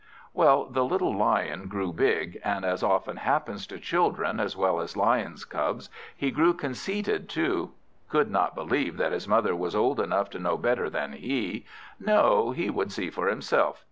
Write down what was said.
Well, the little Lion grew big; and as often happens to children as well as lions' cubs, he grew conceited too. He could not believe that his mother was old enough to know better than he; no, he would see for himself.